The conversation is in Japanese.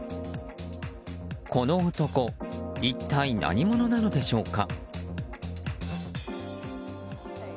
この男、一体何者なのでしょうか。